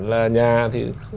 là nhà thì